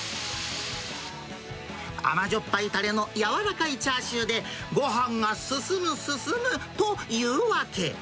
甘じょっぱいたれの柔らかいチャーシューで、ごはんが進む、進むというわけ。